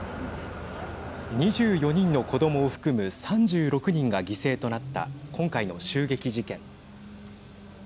２４人の子どもを含む３６人が犠牲となった今回の襲撃事件。